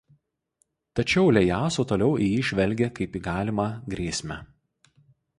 Tačiau Iejasu toliau į jį žvelgė kaip į galimą grėsmę.